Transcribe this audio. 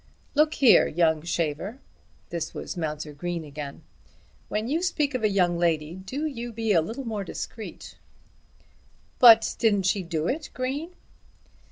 "Look here, young shaver;" this was Mounser Green again; "when you speak of a young lady do you be a little more discreet." "But didn't she do it, Green?"